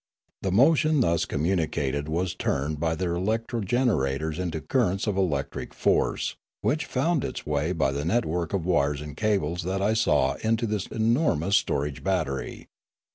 The mo tion thus commuuicated was turned by their electro generators into currents of electric force which found its way by the network of wires and cables that I saw into this enormous storage battery.